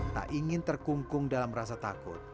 tak ingin terkungkung dalam rasa takut